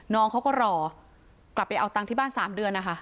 น้องเขาก็รอกลับไปเอาตังค์ที่บ้าน๓เดือนนะคะ